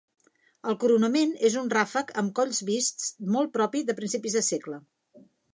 El coronament és un ràfec amb colls vists molt propi de principis del segle.